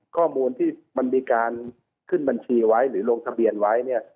ข้อมูลที่มันมีการขึ้นบัญชีไว้หรือลงทะเบียนไว้เนี่ย